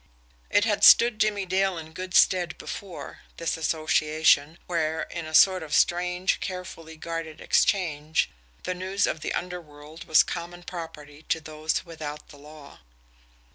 It had stood Jimmie Dale in good stead before, this association, where, in a sort of strange, carefully guarded exchange, the news of the underworld was common property to those without the law.